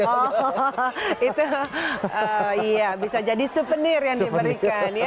oh itu iya bisa jadi souvenir yang diberikan ya